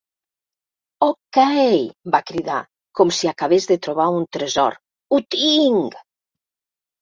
Okay! —va cridar, com si acabés de trobar un tresor— Ho tinc!